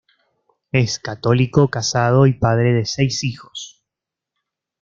Es católico, casado y padre de seis hijos.